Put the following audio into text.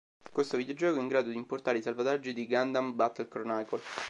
Questo videogioco è in grado di importare i salvataggi di "Gundam Battle Chronicle".